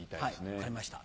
はい分かりました